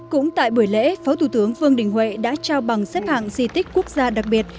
cũng tại buổi lễ phó thủ tướng vương đình huệ đã trao bằng xếp hạng di tích quốc gia đặc biệt